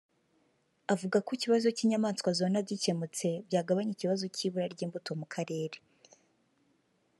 Avuga ko ikibazo cy’inyamaswa zona gikemutse byagabanya ikibazo cy’ibura ry’imbuto mu karere